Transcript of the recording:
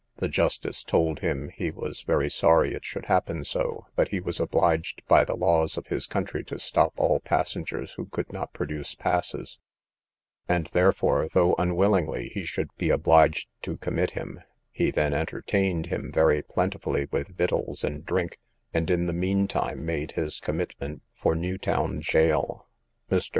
The justice told him he was very sorry it should happen so, but he was obliged by the laws of his country to stop all passengers who could not produce passes; and, therefore, though unwillingly, he should be obliged to commit him; he then entertained him very plentifully with victuals and drink, and in the mean time made his commitment for New Town gaol. Mr.